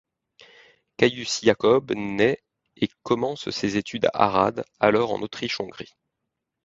Caius Iacob nait et commence ses études à Arad, alors en Autriche-Hongrie.